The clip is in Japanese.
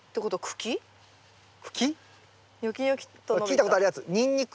聞いたことあるやつ。